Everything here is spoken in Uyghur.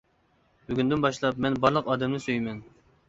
بۈگۈندىن باشلاپ، مەن بارلىق ئادەمنى سۆيىمەن.